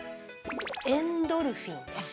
エンドルフィンです。